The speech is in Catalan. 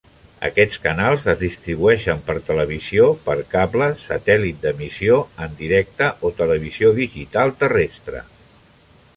Aquests canals es distribueixen per televisió per cable, satèl·lit d'emissió en directe o televisió digital terrestre.